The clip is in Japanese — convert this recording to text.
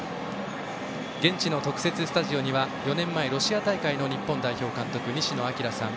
現地の特設スタジオには４年前ロシア大会の日本代表監督西野朗さん。